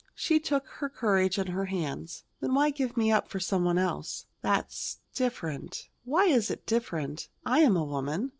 She took her courage in her hands: "Then why give me up for some one else?" "That's different." "Why is it different? I am a woman.